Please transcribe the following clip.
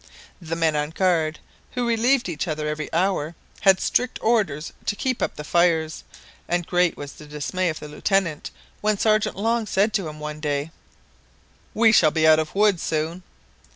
The men on guard, who relieved each other every hour, had strict orders to keep up the fires, and great was the dismay of the Lieutenant when Sergeant Long said to him one day— "We shall be out of wood soon